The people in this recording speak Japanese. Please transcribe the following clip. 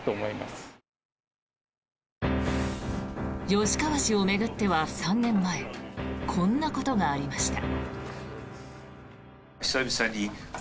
吉川氏を巡っては３年前こんなことがありました。